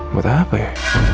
buat apa ya